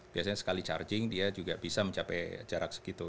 biasanya sekali charging dia juga bisa mencapai jarak segitu